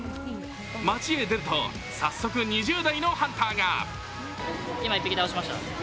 街へ出ると、早速２０代のハンターが。